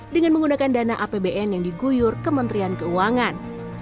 dengan menggunakan dana apbn yang diguyur kementerian keuangan